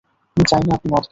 আমি চাইনা আপনি মদ খান।